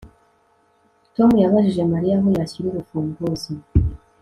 Tom yabajije Mariya aho yashyira urufunguzo